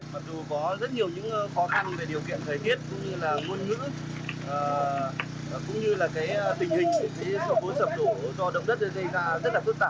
có rất nhiều những khó khăn về điều kiện thời tiết cũng như là ngôn ngữ cũng như là tình hình của số bốn sập đổ do động đất gây ra rất là phức tạp